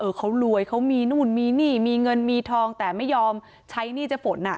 เขารวยเขามีนู่นมีนี่มีเงินมีทองแต่ไม่ยอมใช้หนี้เจ๊ฝนอ่ะ